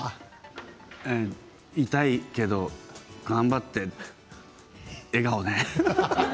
痛いけど頑張って笑顔で。